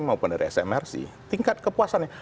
maupun dari smrc tingkat kepuasannya